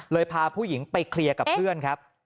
พาผู้หญิงไปเคลียร์กับเพื่อนครับ